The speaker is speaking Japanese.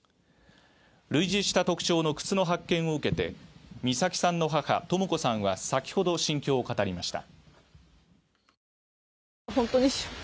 類似した特徴の靴の発見を受けて美咲さんの母・とも子さんは先ほど心境を語りました